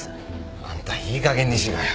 あんたいいかげんにしろよ。